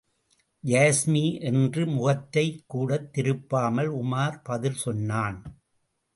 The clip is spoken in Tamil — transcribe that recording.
யாஸ்மி என்று முகத்தைக் கூடத் திருப்பாமல் உமார் பதில் சொன்னான்.